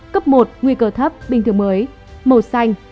cấp một nguy cơ thấp bình thường mới màu xanh